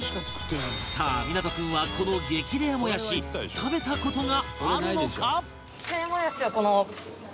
さあ湊君はこの激レアもやし食べた事があるのか？